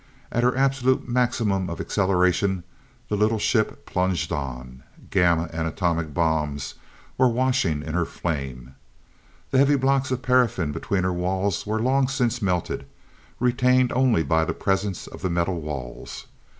At her absolute maximum of acceleration the little ship plunged on. Gamma and atomic bombs were washing her in flame. The heavy blocks of paraffin between her walls were long since melted, retained only by the presence of the metal walls.